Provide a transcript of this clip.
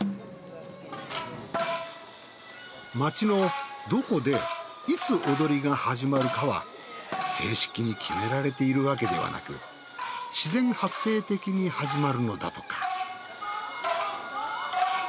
町のどこでいつ踊りが始まるかは正式に決められているわけではなく自然発生的に始まるのだとか。